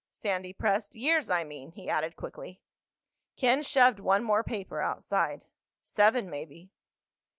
Sandy pressed. "Years, I mean," he added quickly. Ken shoved one more paper outside. "Seven maybe."